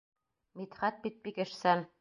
Мидхәт бит бик эшсән.